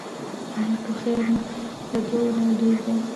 ایا ټوخی مو له دوه اونیو ډیر دی؟